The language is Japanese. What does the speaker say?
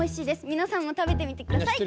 みなさんも食べてみてください。